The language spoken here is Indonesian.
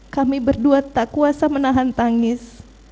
kami berdua tak kuasa menahan tangis